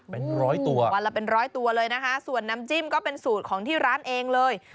เป็นร้อยตัววันละเป็นร้อยตัวเลยนะคะส่วนน้ำจิ้มก็เป็นสูตรของที่ร้านเองเลย